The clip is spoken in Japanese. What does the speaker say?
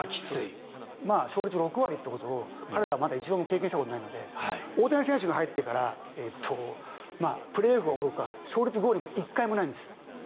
勝率６割ということを彼らは一度も経験したことがないので大谷選手が入ってからプレーオフはおろか勝率５割も１回もないんです。